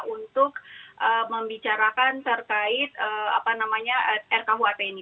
untuk membicarakan terkait apa namanya rkuhp ini